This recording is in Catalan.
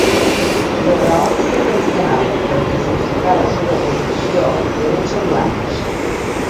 Les raons que tots donaven per justificar la seva posició eren semblants.